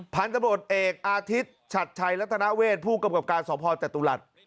พันธุ์ตำรวจเอกอาทิตย์ชัดชัยและธนาเวทย์ผู้กำกับการสอบภอดิ์แตตุลัด